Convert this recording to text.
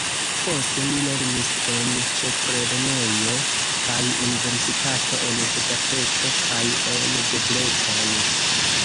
Poste li lernis en ĉeflernejo kaj universitato en Budapeŝto kaj en Debrecen.